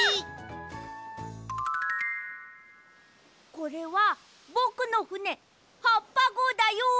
これはぼくのふねはっぱごうだよ！